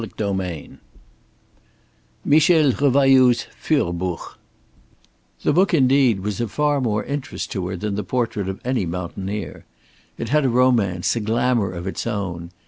CHAPTER XXIII MICHEL REVAILLOUD'S FÜHRBUCH The book indeed was of far more interest to her than the portrait of any mountaineer. It had a romance, a glamour of its own.